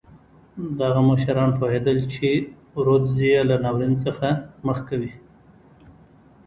دغه مشران پوهېدل چې رودز یې له ناورین سره مخ کوي.